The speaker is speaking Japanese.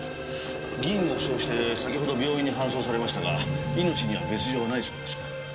議員も負傷して先ほど病院に搬送されましたが命には別状ないそうですから。